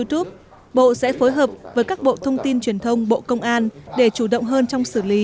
đảm bảo đối với các bộ thông tin truyền thông